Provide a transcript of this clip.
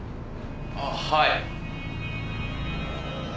ああはい。